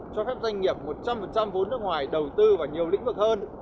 cho phép doanh nghiệp một trăm linh vốn nước ngoài đầu tư vào nhiều lĩnh vực hơn